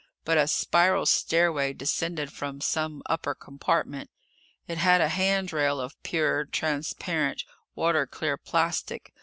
But a spiral stairway descended from some upper compartment. It had a handrail of pure, transparent, water clear plastic.